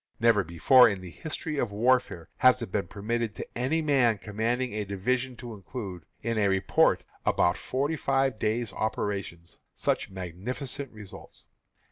Never before, in the history of warfare, has it been permitted to any man commanding a division to include, in a report of about forty five days' operations, such magnificent results.